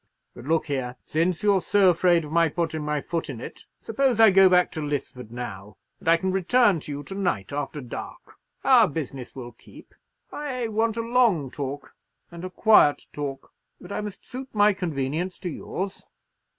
But look here, since you're so afraid of my putting my foot in it, suppose I go back to Lisford now, and I can return to you to night after dark. Our business will keep. I want a long talk, and a quiet talk; but I must suit my convenience to yours.